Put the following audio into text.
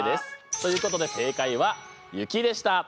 ということで正解は「ゆき」でした。